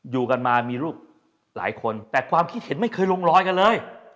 อยู่กันมามีลูกหลายคนแต่ความคิดเห็นไม่เคยลงรอยกันเลย